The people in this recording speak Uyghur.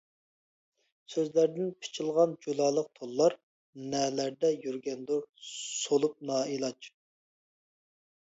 سۆزلەردىن پىچىلغان جۇلالىق تونلار، نەلەردە يۈرگەندۇر سولۇپ نائىلاج.